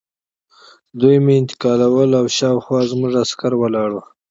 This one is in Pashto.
دوی مې انتقالول او شاوخوا زموږ عسکر ولاړ وو